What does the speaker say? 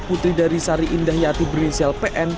putri dari sari indah yati berinisial pn